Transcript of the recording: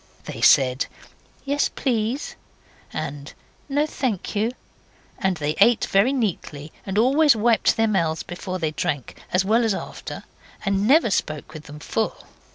They said 'Yes, please', and 'No, thank you'; and they ate very neatly, and always wiped their mouths before they drank, as well as after, and never spoke with them full.